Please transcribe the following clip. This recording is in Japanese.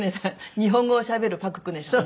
日本語をしゃべるパク・クネさん。